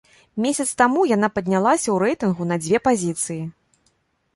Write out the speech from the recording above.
Месяц таму яна паднялася ў рэйтынгу на дзве пазіцыі.